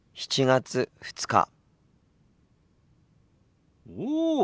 ７月２日。